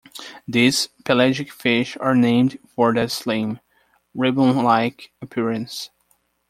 These pelagic fish are named for their slim, ribbon-like appearance.